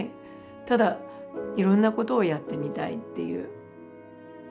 ただいろんなことをやってみたいっていう。